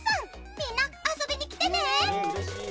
みんな遊びに来てね！